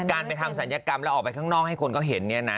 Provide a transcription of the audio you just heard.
การไปทำศัลยกรรมแล้วออกไปข้างนอกให้คนเขาเห็นเนี่ยนะ